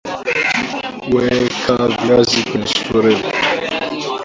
Weka viazi kwenye sufuria